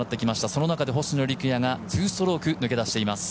その中で星野陸也が２ストローク抜け出しています。